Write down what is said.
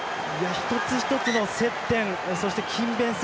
一つ一つの接点そして勤勉性